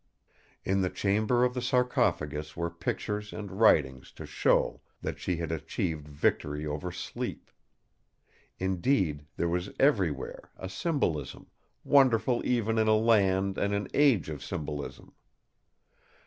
"In the Chamber of the sarcophagus were pictures and writings to show that she had achieved victory over Sleep. Indeed, there was everywhere a symbolism, wonderful even in a land and an age of symbolism.